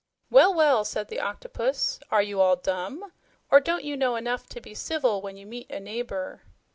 "Well, well!" said the Octopus. "Are you all dumb? Or don't you know enough to be civil when you meet a neighbor?"